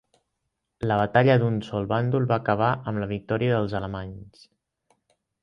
La batalla d'un sol bàndol va acabar amb la victòria dels alemanys.